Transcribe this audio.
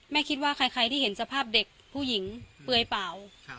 คิดว่าใครที่เห็นสภาพเด็กผู้หญิงเปลือยเปล่า